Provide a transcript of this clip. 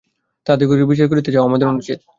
তাঁহাদিগকে বিচার করিতে যাওয়া আমাদের অনুচিত।